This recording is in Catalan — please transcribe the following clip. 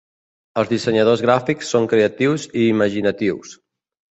Els dissenyadors gràfics són creatius i imaginatius.